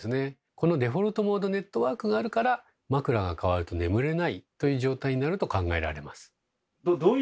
このデフォルトモードネットワークがあるからという状態になると考えられます。